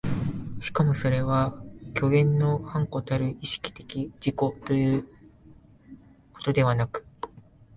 しかもそれは虚幻の伴子たる意識的自己ということではなく、